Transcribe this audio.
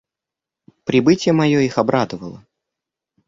Прибытие мое их обрадовало.